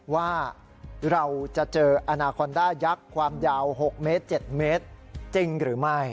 ว่าเราจะเจออนาคอนด้ายักษ์ความยาว๖เมตร๗เมตรจริงหรือไม่